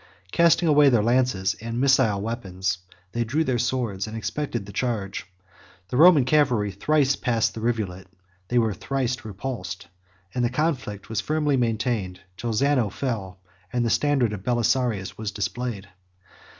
Casting away their lances and missile weapons, they drew their swords, and expected the charge: the Roman cavalry thrice passed the rivulet; they were thrice repulsed; and the conflict was firmly maintained, till Zano fell, and the standard of Belisarius was displayed.